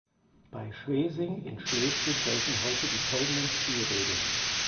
Bei Schwesing in Schleswig gelten heute die folgende Spielregeln.